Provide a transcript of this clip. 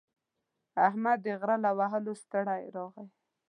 احمد د غره له وهلو ستړی راغی.